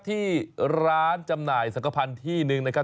ที่ร้านจำหน่ายสังกภัณฑ์ที่หนึ่งนะครับ